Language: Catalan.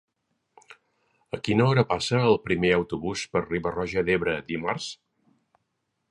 A quina hora passa el primer autobús per Riba-roja d'Ebre dimarts?